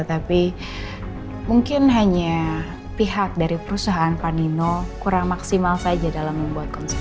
tapi mungkin hanya pihak dari perusahaan pak nino kurang maksimal saja dalam membuat konsep